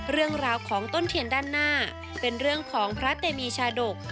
เรื่องราวของต้นเทียนด้านหน้าเป็นเรื่องของพระเตมีชาดก